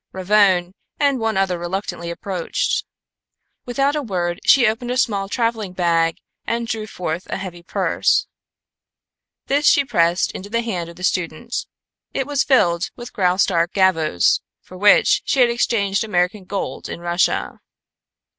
Ravone and one other reluctantly approached. Without a word she opened a small traveling bag and drew forth a heavy purse. This she pressed into the hand of the student. It was filled with Graustark gavvos, for which she had exchanged American gold in Russia.